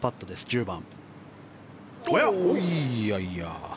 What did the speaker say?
１０番。